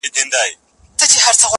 o خر چي پر گزاره مړ سي، شهيد دئ.